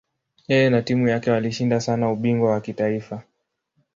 Yeye na timu yake walishinda sana ubingwa wa kitaifa.